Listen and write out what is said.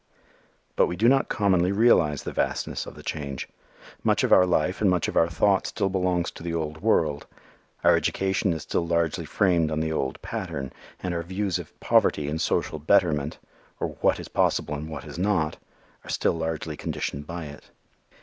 But we do not commonly realize the vastness of the change. Much of our life and much of our thought still belongs to the old world. Our education is still largely framed on the old pattern. And our views of poverty and social betterment, or what is possible and what is not, are still largely conditioned by it.